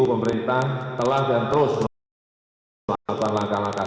pemerintah telah dan terus melakukan langkah langkah